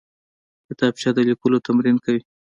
کتابچه د لیکلو تمرین کوي